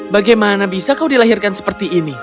bagaimana bisa kau dilahirkan seperti ini